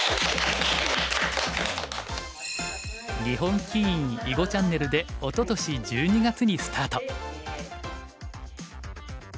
日本棋院囲碁チャンネルでおととし１２月にスタート。